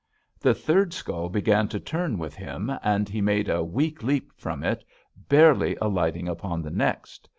The third skull began to turn with him, and he made a weak leap from it, barely alighting upon the next.